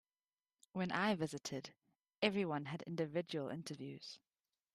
When I visited everyone had individual interviews.